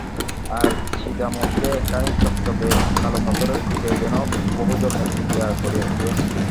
আর ছিদামকে একখানি চকচকে কালো পাথরে কে যেন বহুযত্নে কুঁদিয়া গড়িয়া তুলিয়াছে।